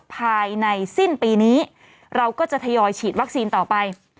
ภายในสิ้นปีนี้เราก็จะทยอยฉีดวัคซีนต่อไป